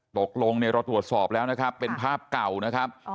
ตกลงเนี่ยเราตรวจสอบแล้วนะครับเป็นภาพเก่านะครับ